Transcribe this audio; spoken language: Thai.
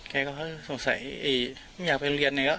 แกก็คือสงสัยไม่อยากไปโรงเรียนไงอะ